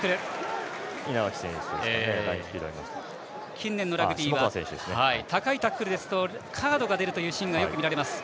近年のラグビーは高いタックルですとカードが出るというシーンがよく見られます。